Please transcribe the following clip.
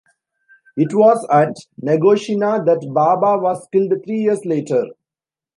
It was at Nagashino that Baba was killed, three years later.